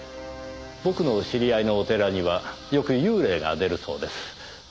僕の知り合いのお寺にはよく幽霊が出るそうです。